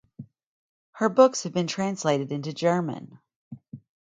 Her books have been translated into German.